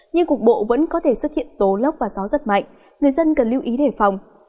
nhưng cục bộ vẫn có thể xuất hiện tố lốc và gió giật mạnh người dân cần lưu ý đề phòng